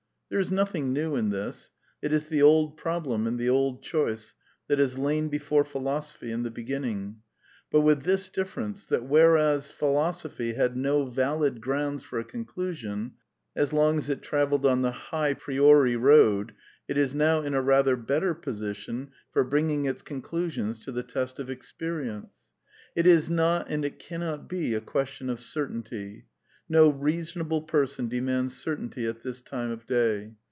There is nothing new in this» It is the old problem and the old choice that has lain before Philosophy in the be ginning ; but with this di£Ference, that whereas Philosophy had no valid grounds for a conclusion as long as it travelled on the ''high priori road^" it is now in a rather better position for bringing its conclusions to the test of expe rience. It is not, and it cannot be, a question of certainty. No reasonable person demands certainly at this time of day.